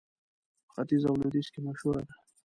په ختيځ او لوېديځ کې مشهوره ده.